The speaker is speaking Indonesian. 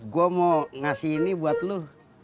gua mau ngasih ini buat lu